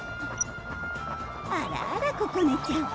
あらあらここねちゃん